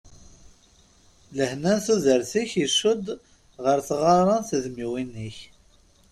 Lehna n tudert-ik icudd ɣer tɣara n tedmiwin-ik.